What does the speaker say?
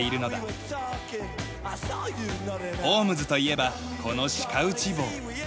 ホームズといえばこの鹿撃ち帽。